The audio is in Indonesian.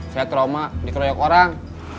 saya trauma dikeroyok orang